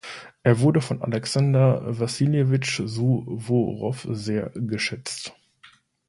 Er wurde von Alexander Wassiljewitsch Suworow sehr geschätzt.